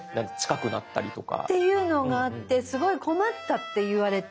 近くなったりとか。っていうのがあってすごい困ったって言われて。